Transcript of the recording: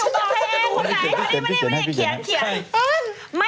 ฉันต้องตอบของที่กิน